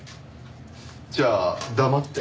じゃあ黙って？